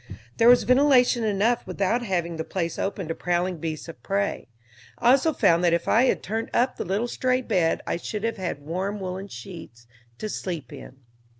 There was ventilation enough without having the place open to prowling beasts of prey. I also found that if I had turned up the little stray bed I should have had warm woolen sheets to sleep in.